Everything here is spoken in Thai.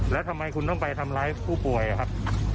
แล้วทำไมคุณต้องไปทำร้ายผู้ป่วยครับ